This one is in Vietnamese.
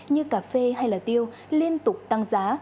như cà phê hay là tiêu liên tục tăng giá